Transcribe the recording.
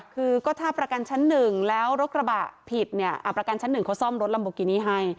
คือก็ถ้าประกันชั้นหนึ่งแล้วรถกระบะผิดเนี่ยประกันชั้นหนึ่งเขาซ่อมรถลัมโบกินี่ให้